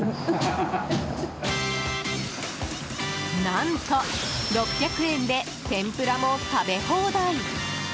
何と、６００円で天ぷらも食べ放題。